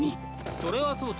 それはそうと。